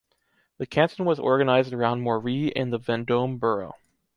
The canton was organized around Morée in the Vendôme borough.